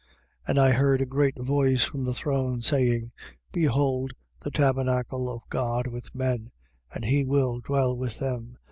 21:3. And I heard a great voice from the throne, saying: Behold the tabernacle of God with men: and he will dwell with them.